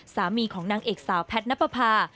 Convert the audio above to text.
สามีของนางเอกสาวแพทย์ณปภา